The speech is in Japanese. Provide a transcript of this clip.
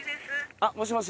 あっもしもし？